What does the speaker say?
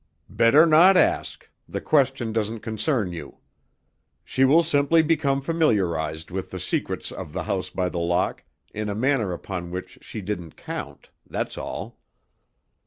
"Better not ask; the question doesn't concern you. She will simply become familiarised with the secrets of the House by the Lock in a manner upon which she didn't count, that's all."